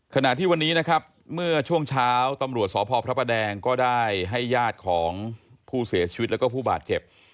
ขณะที่วันนี้นะครับเมื่อช่วงเช้าตำรวจสพพระประแดงก็ได้ให้ญาติของผู้เสียชีวิตแล้วก็ผู้บาดเจ็บ